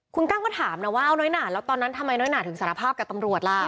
คุณกั้งก็ถามนะว่าเอาน้อยหนาแล้วตอนนั้นทำไมน้อยหนาถึงสารภาพกับตำรวจล่ะ